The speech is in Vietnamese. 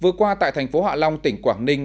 vừa qua tại thành phố hạ long tỉnh quảng ninh